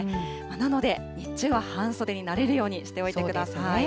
なので、日中は半袖になれるようにしておいてください。